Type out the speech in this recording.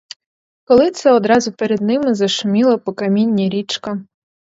Коли це одразу перед ними зашуміла по камінні річка.